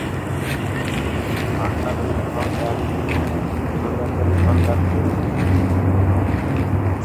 সে তাকে শাসন করে।